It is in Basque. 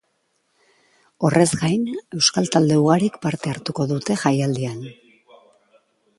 Horrez gain, euskal talde ugarik parte hartuko dute jaialdian.